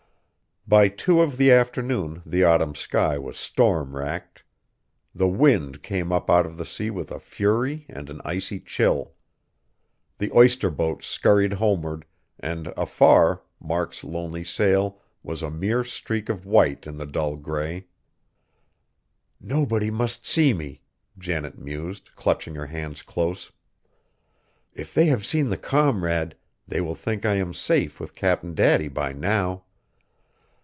By two of the afternoon the autumn sky was storm racked. The wind came up out of the sea with a fury and an icy chill. The oyster boats scurried homeward, and, afar, Mark's lonely sail was a mere streak of white in the dull gray. "Nobody must see me!" Janet mused, clutching her hands close. "If they have seen the Comrade, they will think I am safe with Cap'n Daddy by now.